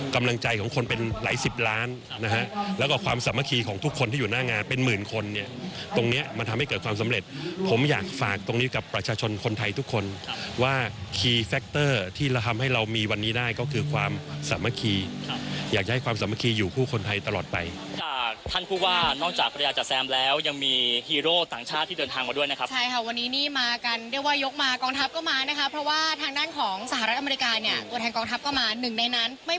คนเนี้ยตรงเนี้ยมันทำให้เกิดความสำเร็จผมอยากฝากตรงนี้กับประชาชนคนไทยทุกคนครับว่าคีย์แฟคเตอร์ที่เราทำให้เรามีวันนี้ได้ก็คือความสำคมะคีครับอยากจะให้ความสำคมะคีอยู่ผู้คนไทยตลอดไปอ่าท่านพูดว่านอกจากประโยชน์จากแซมแล้วยังมีฮีโร่ต่างชาติที่เดินทางมาด้วยนะครับใช